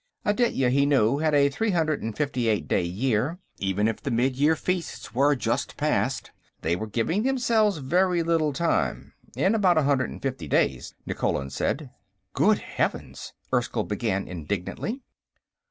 Aditya, he knew, had a three hundred and fifty eight day year; even if the Midyear Feasts were just past, they were giving themselves very little time. In about a hundred and fifty days, Nikkolon said. "Good heavens!" Erskyll began, indignantly.